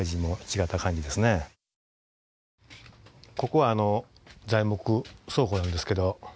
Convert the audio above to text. ここは材木倉庫なんですけど。